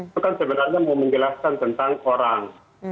itu kan sebenarnya mau menjelaskan tentang orang